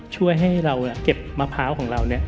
ช่วยให้เราเก็บมะพร้าวของเรา